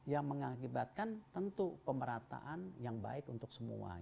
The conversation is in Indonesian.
yang mengakibatkan tentu pemerataan yang baik untuk semua